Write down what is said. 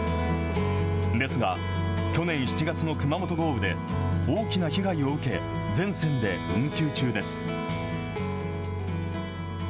ですが、去年７月の熊本豪雨で大きな被害を受け、全線で運休中です。